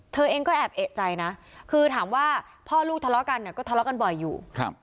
เธอเองก็แอบเอกใจนะคือถามว่าพ่อลูกทะเลาะกันเนี่ยก็ทะเลาะกันบ่อยอยู่